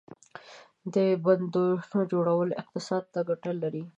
• د بندونو جوړول اقتصاد ته ګټه لري.